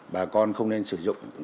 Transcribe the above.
bà con không nên sử dụng